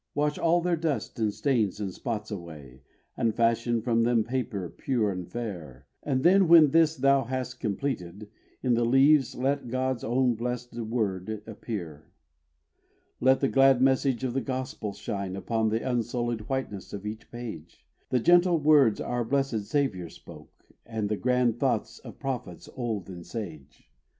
Wash all their dust, and stains, and spots away, And fashion from them paper pure and fair, And then when this thou hast completed, in The leaves let God's own blessed word appear. Let the glad message of the Gospel shine Upon the unsullied whiteness of each page, The gentle words our blessèd Saviour spoke, And the grand thoughts of prophets old and sage.